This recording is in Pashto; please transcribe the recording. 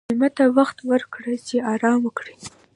مېلمه ته وخت ورکړه چې آرام وکړي.